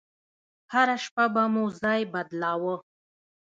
هره شپه به مو ځاى بدلاوه.